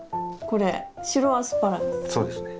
これ白アスパラですね。